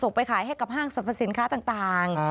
ไปขายให้กับห้างสรรพสินค้าต่าง